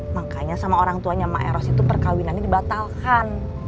makanya sama orang tuanya emang eros itu perkawinannya dibatalkan